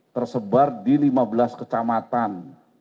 tersebar di lima belas kecamatan